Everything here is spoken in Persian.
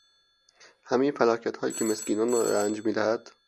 همهی فلاکتهایی که مسکینان را رنج میدهد.